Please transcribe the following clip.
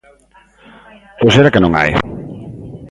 ¿Ou será que non hai?